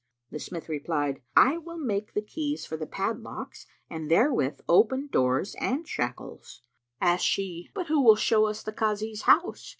The smith replied, "I will make the keys for the padlocks and therewith open door and shackles." Asked she, "But who will show us the Kazi's house?"